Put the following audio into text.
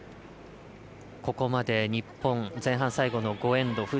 ここまで日本前半最後の５エンド。